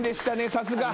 さすが。